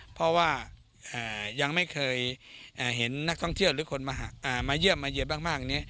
เพราะว่ายังไม่เคยเห็นนักท่องเที่ยวหรือคนมาเยี่ยมมาเยี่ยมบ้าง